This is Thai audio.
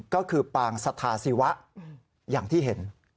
ก็คือปางสถาศิวะอย่างที่เห็น